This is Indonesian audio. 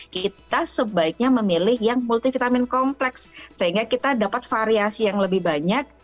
kita sebaiknya memilih yang multivitamin kompleks sehingga kita dapat variasi yang lebih banyak